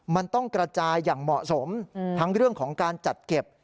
มันต้องกระจายอย่างเหมาะสมทั้งเรื่องของการจัดเก็บ